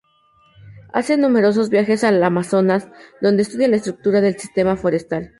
Hace numerosos viajes al Amazonas donde estudia la estructura del sistema forestal.